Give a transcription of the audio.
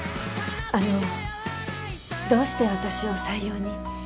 あのどうして私を採用に？